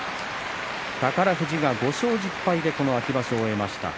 宝富士が５勝１０敗でこの秋場所を終えました。